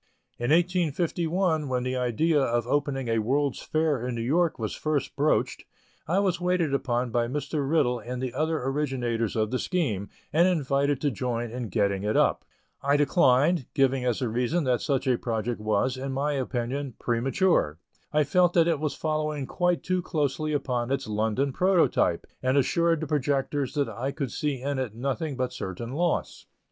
In 1851, when the idea of opening a World's Fair in New York was first broached, I was waited upon by Mr. Riddell and the other originators of the scheme, and invited to join in getting it up. I declined, giving as a reason that such a project was, in my opinion, premature. I felt that it was following quite too closely upon its London prototype, and assured the projectors that I could see in it nothing but certain loss.